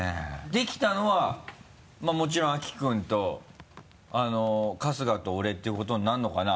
できたのはもちろん秋君と春日と俺っていうことになるのかな？